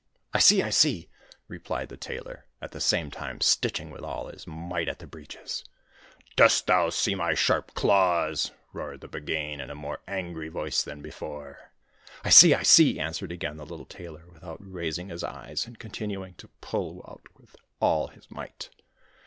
'I see, I see!' replied the Tailor, at the same time stitching with all his might at the breeches. 'Dost thou see my sharp claws?' roared the Buggane in a more angry voice than before. 'I see, I see!' answered again the little Tailor, without raising his eyes, and continuing to pull out with all his might.